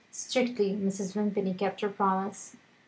Strictly Mrs. Vimpany kept her promise.